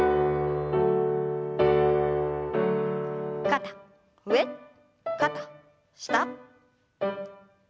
肩上肩下。